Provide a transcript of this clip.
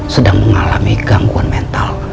sedang mengalami gangguan mental